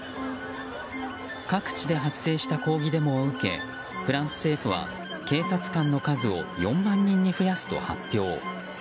各地で発生した抗議デモを受けフランス政府は警察官の数を４万人に増やすと発表。